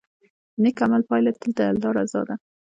د نیک عمل پایله تل د الله رضا ده.